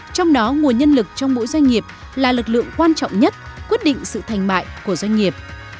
trong đó nguồn nhân lực trong mỗi doanh nghiệp là lực lượng quan trọng nhất quyết định sự thành bại của doanh nghiệp